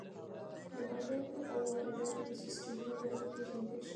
د مالیاتو او وارداتو سیستمونه باید وپېژندل شي